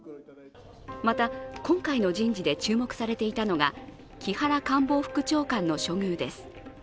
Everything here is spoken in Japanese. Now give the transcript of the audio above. また、今回の人事で注目されていたのが木原官房副長官の処遇です。